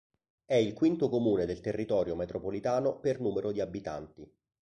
È il quinto comune del territorio metropolitano per numero di abitanti.